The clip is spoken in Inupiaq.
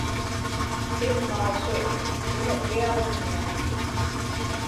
immaasu kiñakiaġimña